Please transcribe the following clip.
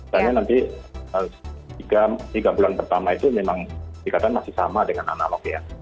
karena nanti tiga bulan pertama itu memang dikatakan masih sama dengan analog ya